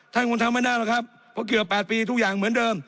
คงทำไม่ได้หรอกครับเพราะเกือบ๘ปีทุกอย่างเหมือนเดิม